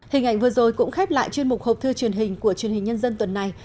hình ảnh vừa rồi cũng khép lại chuyên mục hộp thư truyền hình của truyền hình nhân dân tuần này